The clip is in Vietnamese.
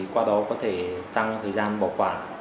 qua đó có thể tăng thời gian bảo quản